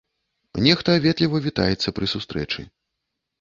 Нехта ветліва вітаецца пры сустрэчы.